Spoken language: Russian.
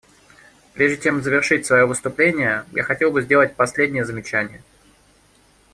Прежде чем завершить свое выступление я хотел бы сделать последнее замечание.